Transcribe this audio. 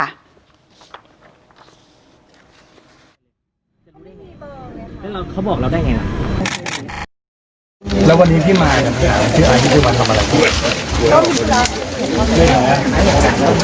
แล้ววันนี้พี่มายนะครับชื่ออายที่ชื่อมันทำอะไร